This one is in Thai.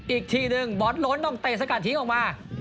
อีกทีหนึ่งบอสล้นต้องเตะสกัดทิ้งออกมา